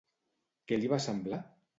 Què li va semblar?